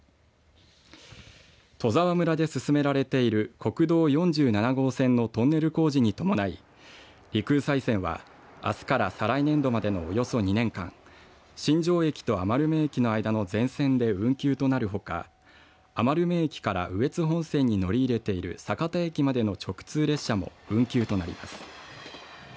戸沢村で進められている国道４７号線のトンネル工事に伴い陸羽西線はあすから再来年度までのおよそ２年間新庄駅と余目駅の間の全線で運休となるほか余目駅から羽越本線に乗り入れている酒田駅までの直通電車も運休となります。